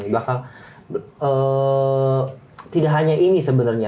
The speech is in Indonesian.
belakang tidak hanya ini sebenarnya